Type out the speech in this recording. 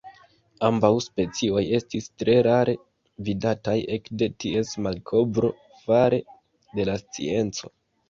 Ambaŭ specioj estis tre rare vidataj ekde ties malkovro fare de la scienco.